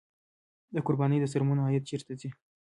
د قربانۍ د څرمنو عاید چیرته ځي؟